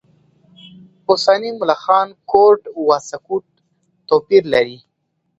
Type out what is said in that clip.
اوسني ملخان کورټ و سکوټ توپیر لري.